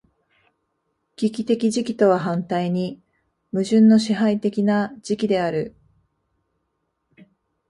危機的時期とは反対に矛盾の支配的な時期である。